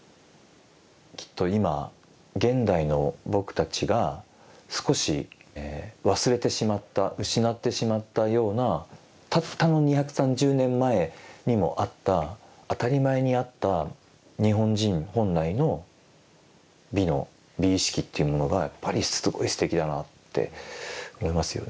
きっと今現代の僕たちが少し忘れてしまった失ってしまったようなたったの２３０年前にもあった当たり前にあった日本人本来の美の美意識っていうものがやっぱりすごいすてきだなあって思いますよね。